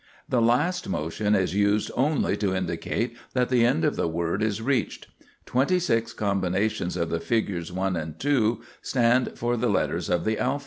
The last motion is used only to indicate that the end of the word is reached. Twenty six combinations of the figures 1 and 2 stand for the letters of the alphabet.